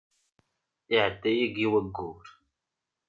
Iɛedda yagi wayyur.